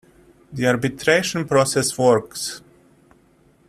The arbitration process works.